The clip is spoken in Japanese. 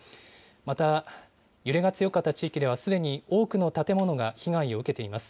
また、揺れが強かった地域では、すでに多くの建物が被害を受けています。